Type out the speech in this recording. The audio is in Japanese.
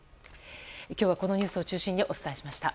今日はこのニュースを中心にお伝えしました。